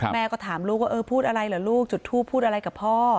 แม่ก็ถามลูกว่าเออพูดอะไรเหรอลูกจุดทูปพูดอะไรกับพ่อ